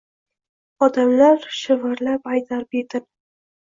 Odamlar shivirlab aytar betinim